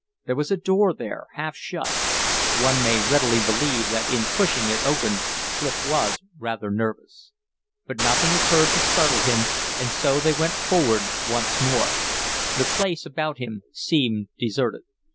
There was a door there, half shut; one may readily believe that in pushing it open Clif was rather nervous. But nothing occurred to startle him, and so they went forward once more. The place about him seemed deserted.